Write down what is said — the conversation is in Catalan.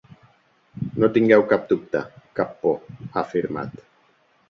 No tingueu cap dubte, cap por, ha afirmat.